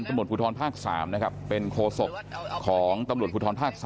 ตลฝุดธรรมภาค๓เป็นโฆษกของตลฝุดธรรมภาค๓